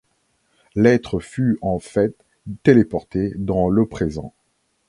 L'être fut en fait téléporté dans le présent.